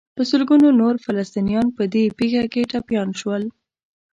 په سلګونو نور فلسطینیان په دې پېښه کې ټپیان شول.